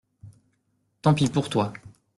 Tant pis pour toi.